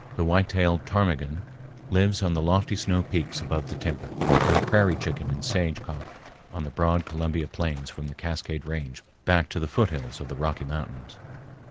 The white tailed ptarmigan lives on the lofty snow peaks above the timber, and the prairie chicken and sage cock on the broad Columbia plains from the Cascade Range back to the foothills of the Rocky Mountains.